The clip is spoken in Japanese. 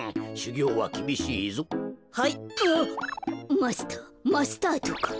マスターマスタードが。